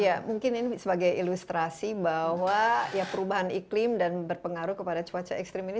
ya mungkin ini sebagai ilustrasi bahwa ya perubahan iklim dan berpengaruh kepada cuaca ekstrim ini